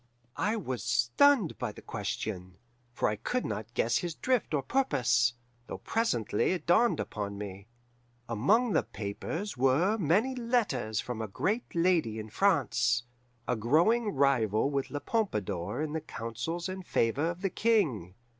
"I was stunned by the question, for I could not guess his drift or purpose, though presently it dawned upon me. Among the papers were many letters from a great lady in France, a growing rival with La Pompadour in the counsels and favour of the King.